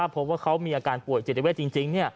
เพราะว่ามีอาการป่วยจิตเต้เวศจริง